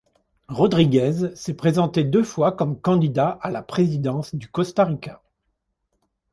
Rodríguez s’est présenté deux fois comme candidat à la présidence du Costa Rica.